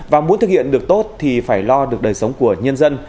và muốn thực hiện được tốt thì phải lo được đời sống của nhân dân